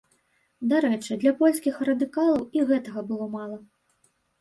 Дарэчы, для польскіх радыкалаў і гэтага было мала.